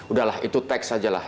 udah lah itu teks sajalah